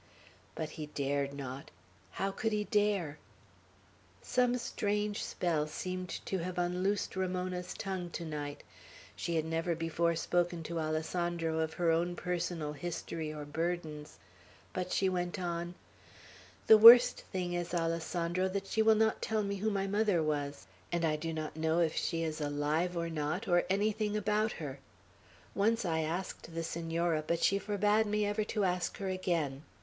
But he dared not. How could he dare? Some strange spell seemed to have unloosed Ramona's tongue to night. She had never before spoken to Alessandro of her own personal history or burdens; but she went on: "The worst thing is, Alessandro, that she will not tell me who my mother was; and I do not know if she is alive or not, or anything about her. Once I asked the Senora, but she forbade me ever to ask her again.